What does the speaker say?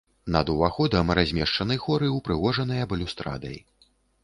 Над уваходам размешчаны хоры, упрыгожаныя балюстрадай.